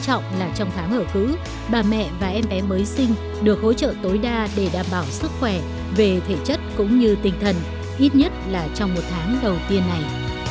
trong một tháng ở cữ bà mẹ và em bé mới sinh được hỗ trợ tối đa để đảm bảo sức khỏe về thể chất cũng như tinh thần ít nhất là trong một tháng đầu tiên này